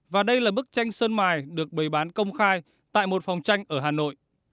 và đây là bức tranh sơn mài được bày bán công khai tại một phòng tranh ở hà nội